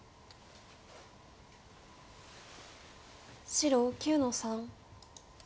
白９の三。